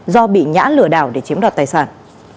do bị nhã lừa đảo để chiếm đọt tài sản